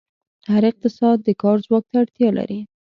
هر اقتصاد د کار ځواک ته اړتیا لري.